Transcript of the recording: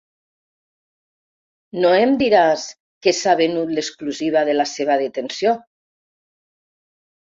No em diràs que s'ha venut l'exclusiva de la seva detenció?